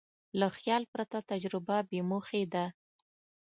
له خیال پرته تجربه بېموخې ده.